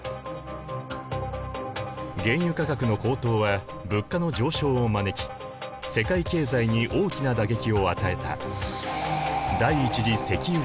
原油価格の高騰は物価の上昇を招き世界経済に大きな打撃を与えた。